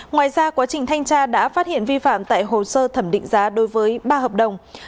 ngoài ra quá trình thanh tra đã phát hiện vi phạm tại hồ sơ thẩm định giá đối với ba hợp đồng